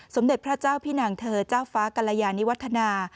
สมเด็จพระเจ้าพี่นางเธอเจ้าฟ้ากรยานิวัฒนา